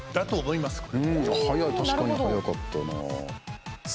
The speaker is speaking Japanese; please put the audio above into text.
確かに早かったな。